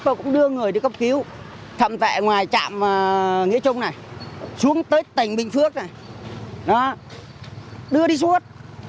cô cũng đưa người đi cấp cứu thậm tại ngoài trạm nghĩa trung này xuống tới tỉnh bình phước này đó đưa đi suốt